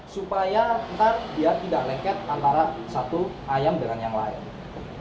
supaya ntar dia tidak lengket antara satu ayam dengan yang lain